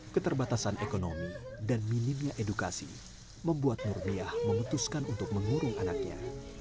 keterbatasan ekonomi dan minimnya edukasi membuat nurmiah memutuskan untuk mengurung anaknya